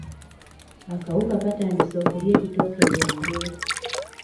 Akawuka katandise okulya ebitooke byange.